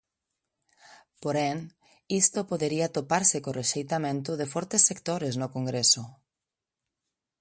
Porén, isto podería toparse co rexeitamento de fortes sectores no Congreso.